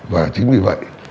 và chính vì vậy